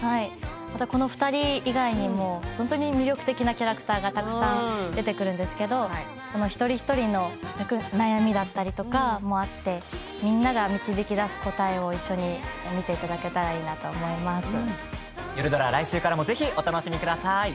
この２人以外にも本当に魅力的なキャラクターがたくさん出てくるんですけど一人一人の悩みだったりとかもあってみんなが導き出す答えを一緒に見ていただけたらなと夜ドラ、来週からもぜひお楽しみください。